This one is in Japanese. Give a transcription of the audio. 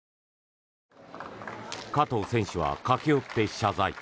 加藤選手は駆け寄って謝罪。